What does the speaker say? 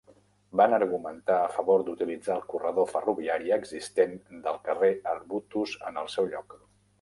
Van argumentar a favor d'utilitzar el corredor ferroviari existent del carrer Arbutus en el seu lloc.